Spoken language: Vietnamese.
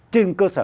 trên cơ sở